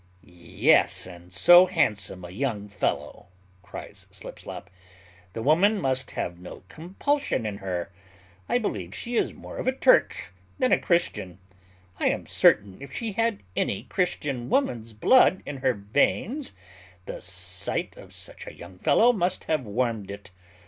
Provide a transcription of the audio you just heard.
"Yes, and so handsome a young fellow," cries Slipslop; "the woman must have no compulsion in her: I believe she is more of a Turk than a Christian; I am certain, if she had any Christian woman's blood in her veins, the sight of such a young fellow must have warmed it.